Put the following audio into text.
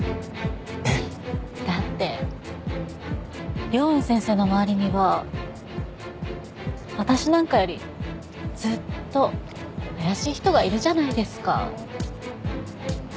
えっ？だって凌雲先生の周りには私なんかよりずっと怪しい人がいるじゃないですか。